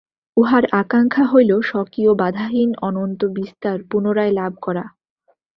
উহার আকাঙ্ক্ষা হইল স্বকীয় বাধাহীন অনন্ত বিস্তার পুনরায় লাভ করা।